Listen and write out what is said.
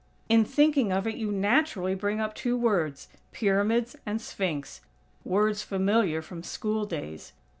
In thinking of it you naturally bring up two words "Pyramids" and "Sphinx", words familiar from school days.